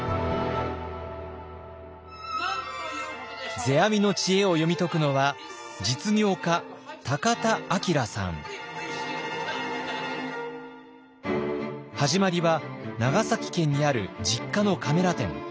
世阿弥の知恵を読み解くのは始まりは長崎県にある実家のカメラ店。